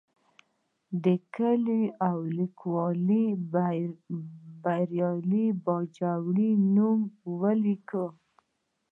د ګیلې او لیکوال بریالي باجوړي نوم مې ولیکه.